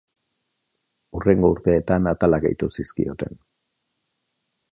Hurrengo urteetan atalak gehitu zizkioten.